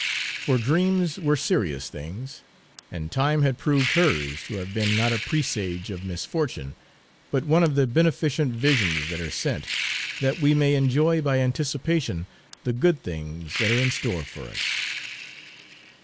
For dreams were serious things, and time had proved hers to have been not a presage of misfortune, but one of the beneficent visions that are sent, that we may enjoy by anticipation the good things that are in store for us.